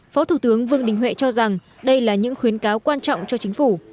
phó thủ tướng vương đình huệ cho rằng đây là những khuyến cáo quan trọng cho chính phủ